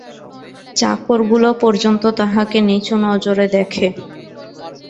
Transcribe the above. চাকরগুলো পর্যন্ত তাঁহাকে নিচু নজরে দেখে।